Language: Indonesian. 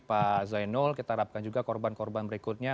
pak zainul kita harapkan juga korban korban berikutnya